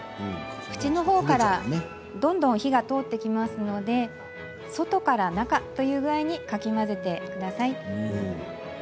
縁のほうからどんどん火が通ってきますので外から中という具合にかき混ぜます。